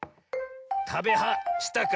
「たべは」したか？